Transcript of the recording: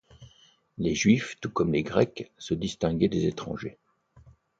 Les Juifs, tout comme les Grecs, se distinguaient des étrangers.